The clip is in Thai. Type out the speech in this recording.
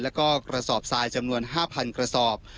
แล้วก็กระสอบทรายจำนวน๕๐๐กระสอบ